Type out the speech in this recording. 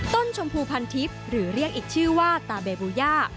ชมพูพันทิพย์หรือเรียกอีกชื่อว่าตาเบบูย่า